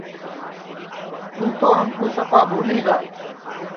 تُوں تو ہمکُو سپا بھولی گا